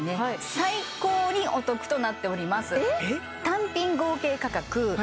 最高にお得となっておりますえっ？